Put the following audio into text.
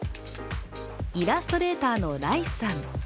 イラストレーターのらいすさん。